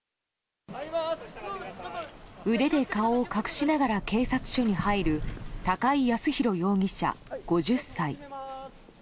腕で顔を隠しながら警察署に入る高井靖弘容疑者、５０歳。